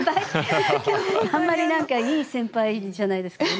あんまり何かいい先輩じゃないですけどね。